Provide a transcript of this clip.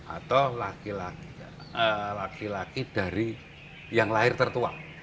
atau laki laki dari yang lahir tertua